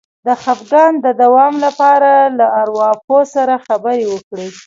د خپګان د دوام لپاره له ارواپوه سره خبرې وکړئ